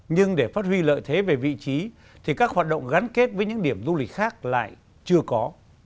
nhưng để phát huy lợi thế về vị trí thì các hoạt động gắn kết với những điểm du lịch khác lại chưa có